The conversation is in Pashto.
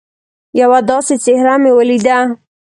یوه داسي څهره مې ولیده